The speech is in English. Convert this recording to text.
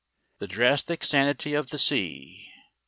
"The drastic sanity of the sea!"